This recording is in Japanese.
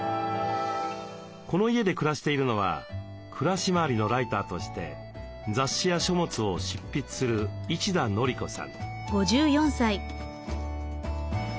この家で暮らしているのは暮らし周りのライターとして雑誌や書物を執筆する一田憲子さん。